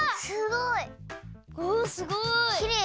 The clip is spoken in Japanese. すごい！おすごい！